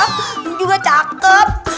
dan juga cakep